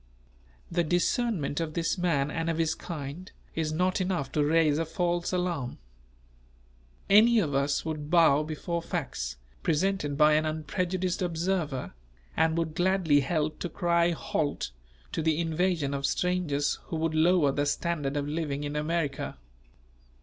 The discernment(?) of this man and of his kind is not enough to raise a false alarm. Any of us would bow before facts, presented by an unprejudiced observer and would gladly help to cry "Halt" to the invasion of strangers who would lower the standard of living in America.